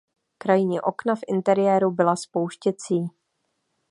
Krajní okna v interiéru byla spouštěcí.